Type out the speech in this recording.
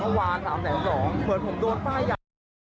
เมื่อวานสามแสนสองคนผมโดดฝ้ายา